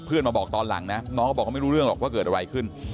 มาบอกตอนหลังนะน้องก็บอกว่าไม่รู้เรื่องหรอกว่าเกิดอะไรขึ้น